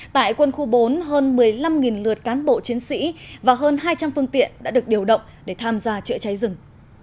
tại quân khu bốn hơn một mươi năm lượt cán bộ chiến sĩ và hơn hai trăm linh phương tiện đã được điều động để tham gia chữa cháy rừng